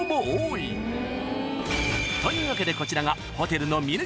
［というわけでこちらが］